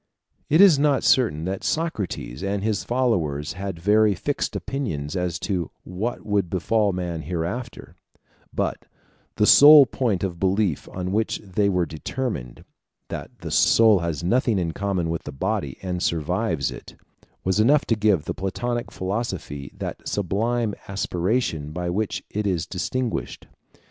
It is not certain that Socrates and his followers had very fixed opinions as to what would befall man hereafter; but the sole point of belief on which they were determined that the soul has nothing in common with the body, and survives it was enough to give the Platonic philosophy that sublime aspiration by which it is distinguished.